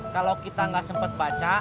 kalau kita gak sempet baca